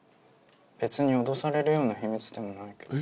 「別に脅されるような秘密でもないけど」。